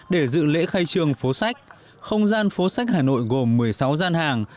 để dự lễ khai trương phố sách không gian phố sách hà nội gồm một mươi sáu gian hàng